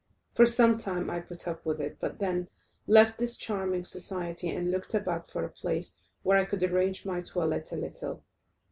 For some time I put up with it, but then left this charming society, and looked about for a place where I could arrange my toilette a little.